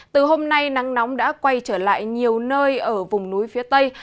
từ hôm nay nắng nóng đã quay trở lại nhiều nơi ở vùng núi phía tây